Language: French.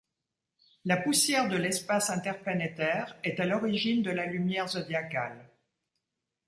La poussière de l'espace interplanétaire est à l'origine de la lumière zodiacale.